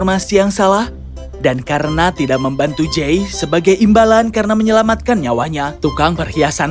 allah dan karena tidak membantu j sebagai imbalan karena menyelamatkan nyawanya tukang perhiasan